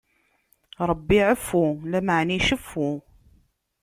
Ṛebbi iɛeffu, lameɛna iceffu.